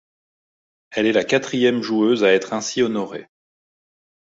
Elle est la quatrième joueuse à être ainsi honorée.